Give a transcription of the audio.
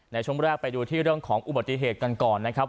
ในชมแรกดูของอุบัติเหตุก่อนเนอะครับ